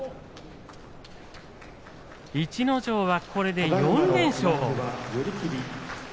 逸ノ城、これで４連勝です。